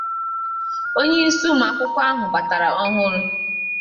onyeisi ụmụakwụkwọ ahụ batara ọhụrụ